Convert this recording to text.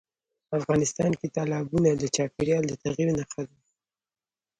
افغانستان کې تالابونه د چاپېریال د تغیر نښه ده.